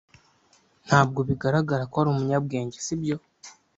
Ntabwo bigaragara ko ari umunyabwenge, si byo?